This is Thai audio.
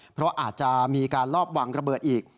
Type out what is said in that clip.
เพราะอาจจะมีการลอบวางระเบิดอีก